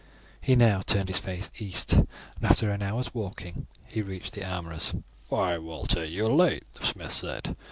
He now turned his face east, and after an hour's walking he reached the armourer's. "Why, Walter, you are late," the smith said.